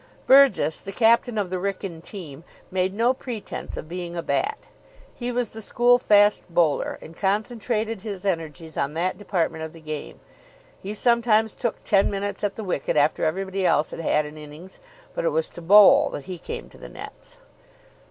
Burgess, the captain of the Wrykyn team, made no pretence of being a bat. He was the school fast bowler and concentrated his energies on that department of the game. He sometimes took ten minutes at the wicket after everybody else had had an innings, but it was to bowl that he came to the nets.